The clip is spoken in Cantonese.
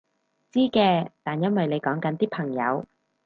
知嘅，但因為你講緊啲朋友